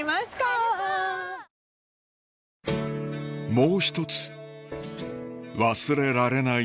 もう一つ忘れられない